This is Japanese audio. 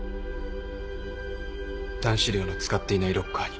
男子寮の使っていないロッカーに。